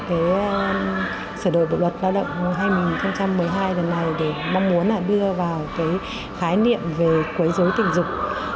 cái sở đổi bộ luật lao động năm hai nghìn một mươi hai này để mong muốn là đưa vào cái khái niệm về quấy dối tình dục